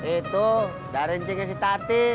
itu dari cingin si tati